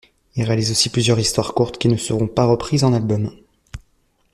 Il réalise aussi plusieurs histoires courtes qui ne seront pas reprises en album.